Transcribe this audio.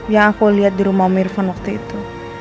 yang aku liat di rumah mirvan waktu itu